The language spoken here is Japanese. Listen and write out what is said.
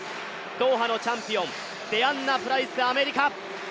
ドーハのチャンピオン、デアンナプライス、アメリカ。